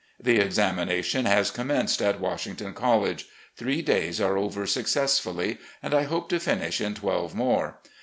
The examination has commenced at Washington College. Three days are over successfully, and I hope to finish in twelve more.